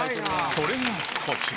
それがこちら。